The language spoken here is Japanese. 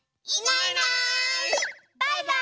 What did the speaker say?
バイバーイ！